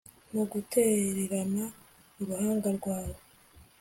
Mugutererana uruhanga rwawe